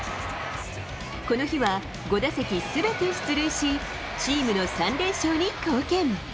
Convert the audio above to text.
この日は、５打席すべて出塁し、チームの３連勝に貢献。